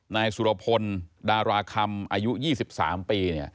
นายสุรพลดาราคำอายุ๒๓ปี